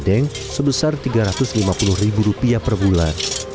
dan membayar sewa rumah bedeng sebesar rp tiga ratus lima puluh per bulan